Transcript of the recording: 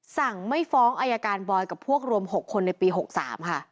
สั่งไม่ฟ้องอายการบอยกับพวกรวม๖คนในปี๖๓ค่ะ